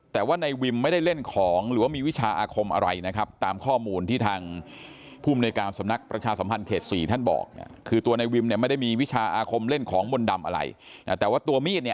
แต่ว่าในวิมไม่ได้เล่นของหรือว่ามีวิชาอาคมอะไร